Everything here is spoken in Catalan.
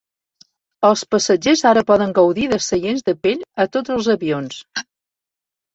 Els passatgers ara poden gaudir de seients de pell a tots els avions.